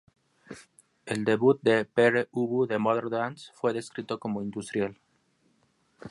El debut de Pere Ubu, The Modern Dance, fue descrito como "industrial".